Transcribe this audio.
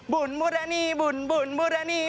บุ่นบุรณีบุ่นบุ่นบุรณี